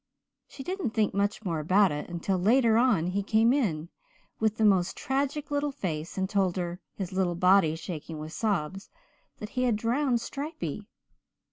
She didn't think much more about it until later on he came in, with the most tragic little face, and told her, his little body shaking with sobs, that he had drowned Stripey.